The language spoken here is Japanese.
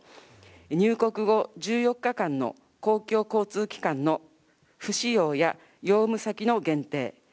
入国後１４日間の公共交通機関の不使用や用務先の限定。